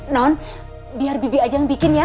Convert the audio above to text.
non biar bibi aja yang bikin ya